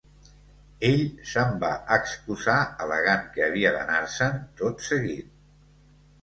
Ell se'n va excusar al·legant que havia d'anar-se'n tot seguit.